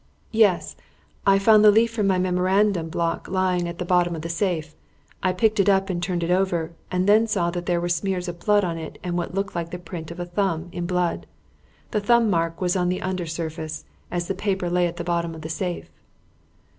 "Yes. I found the leaf from my memorandum block lying at the bottom of the safe. I picked it up and turned it over, and then saw that there were smears of blood on it and what looked like the print of a thumb in blood. The thumb mark was on the under surface, as the paper lay at the bottom of the safe."